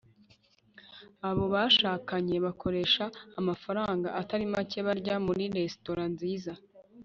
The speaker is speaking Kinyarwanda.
abo bashakanye bakoresha amafaranga atari make barya muri resitora nziza